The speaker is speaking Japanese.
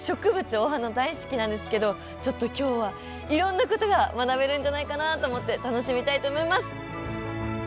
お花大好きなんですけどちょっと今日はいろんなことが学べるんじゃないかなと思って楽しみたいと思います。